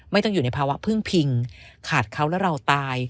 อยู่ในภาวะพึ่งพิงขาดเขาและเราตาย